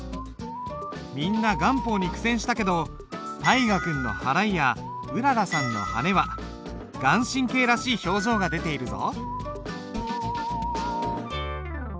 みんな顔法に苦戦したけど大河君の払いやうららさんのはねは顔真らしい表情が出ているぞ。